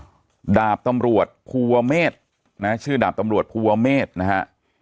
อืมดาบตำรวจภูวเวอร์เมดนะชื่อดาบตำรวจภูวเวอร์เมดนะฮะ